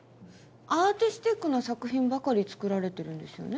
アーティスティックな作品ばかり作られてるんですよね。